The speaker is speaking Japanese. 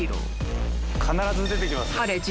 必ず出て来ますね。